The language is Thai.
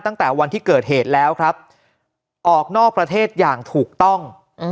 ตั้งแต่วันที่เกิดเหตุแล้วครับออกนอกประเทศอย่างถูกต้อง